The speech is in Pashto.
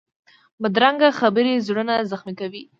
بدرنګه خبرې زړونه زخمي کوي